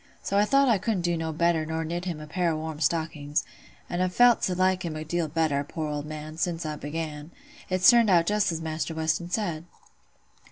So I thought I couldn't do better nor knit him a pair o' warm stockings; an' I've felt to like him a deal better, poor old man, sin' I began. It's turned out just as Maister Weston said."